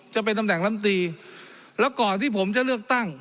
จะเป็นตำแหน่งลำตีแล้วก่อนที่ผมจะเลือกตั้ง